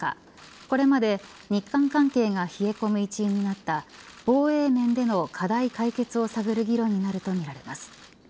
これまで日韓関係が冷え込む一因になった防衛面での課題解決を探る議論になるとみられます。